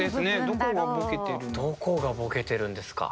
どこがボケてるんですか？